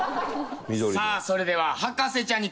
さあそれでは。